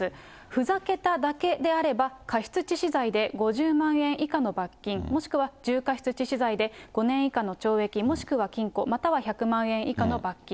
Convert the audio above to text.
ふざけただけであれば過失致死罪で５０万円以下の罰金、もしくは重過失致死罪で５年以下の懲役、もしくは禁錮または１００万円以下の罰金。